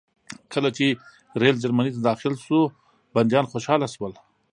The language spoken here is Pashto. کله چې ریل جرمني ته داخل شو بندیان خوشحاله شول